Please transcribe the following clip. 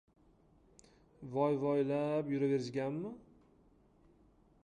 voy-voylab yuraverishganmi?